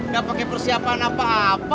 gak pakai persiapan apa apa